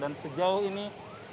dan sejauh ini